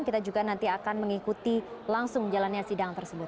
kita juga nanti akan mengikuti langsung jalannya sidang tersebut